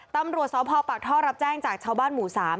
ตำรวจสพปากท่อรับแจ้งจากชาวบ้านหมู่๓